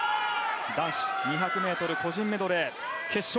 男子２００ｍ個人メドレー決勝。